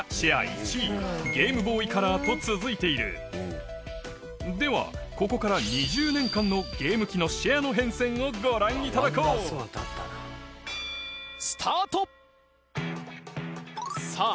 １位ゲームボーイカラーと続いているではここから２０年間のゲーム機のシェアの変遷をご覧いただこうさぁ